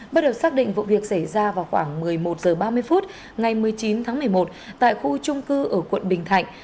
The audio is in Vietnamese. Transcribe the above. bắt đầu xác định vụ việc xảy ra vào khoảng một mươi một h ba mươi phút ngày một mươi chín tháng một mươi một tại khu trung cư ở quận bình thạnh